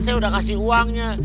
saya udah kasih uangnya